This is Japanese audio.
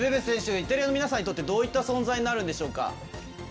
イタリアの皆さんにとってどういった存在になるんでしょうか。